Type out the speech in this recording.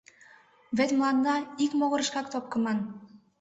Вет мыланна ик могырышкак топкыман.